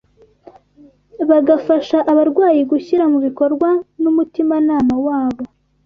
bagafasha abarwayi gushyira mu bikorwa n’umutimanama wabo